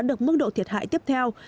được mức độ thiệt hại tiếp theo